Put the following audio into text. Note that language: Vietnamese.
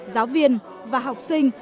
giáo viên và học sinh